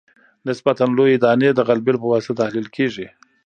نسبتاً لویې دانې د غلبیل په واسطه تحلیل کیږي